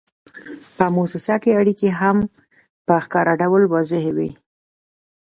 په موسسه کې اړیکې هم په ښکاره ډول واضحې وي.